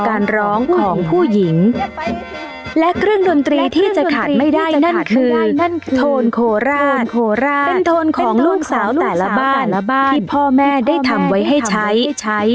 การร้องของผู้หญิงและเครื่องดนตรีที่จะขาดไม่ได้นั่นคือโทนโคราชโคราชเป็นโทนของลูกสาวแต่ละบ้านและบ้านที่พ่อแม่ได้ทำไว้ให้ใช้ใช้